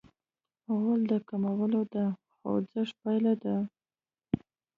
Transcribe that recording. غول د کولمو د خوځښت پایله ده.